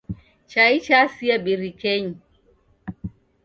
Chai chasia birikenyi.